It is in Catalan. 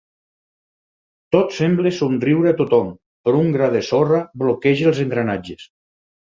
Tot sembla somriure a tothom, però un gra de sorra bloqueja els engranatges.